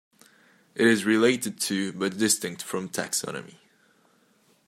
It is related to, but distinct from taxonomy.